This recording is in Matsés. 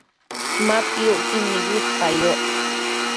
Ma piucquid nibëdeyoc